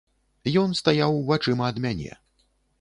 Ён стаяў вачыма ад мяне.